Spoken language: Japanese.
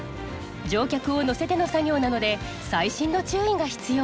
乗客を乗せての作業なので細心の注意が必要。